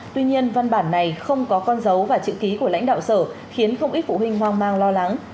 tuy nhiên văn bản này không có con dấu và chữ ký của lãnh đạo sở khiến không ít phụ huynh hoang mang lo lắng